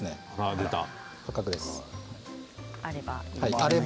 あれば。